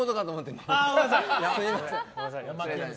すみません！